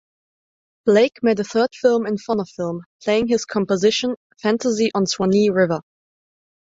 Blake made a third film in Phonofilm, playing his composition "Fantasy on Swanee River".